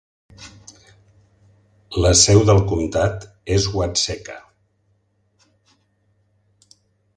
La seu del comtat és Watseka.